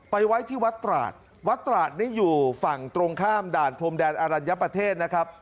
ไว้ที่วัดตราดวัดตราดนี่อยู่ฝั่งตรงข้ามด่านพรมแดนอรัญญประเทศนะครับ